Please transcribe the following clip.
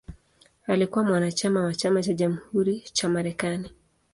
Alikuwa mwanachama wa Chama cha Jamhuri cha Marekani.